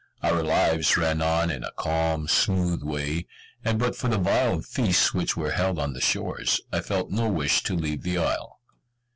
Our lives ran on in a calm, smooth way; and, but for the vile feasts which were held on the shores, I felt no wish to leave the isle.